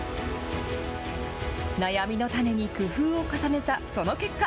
悩みの種に工夫を重ねたその結果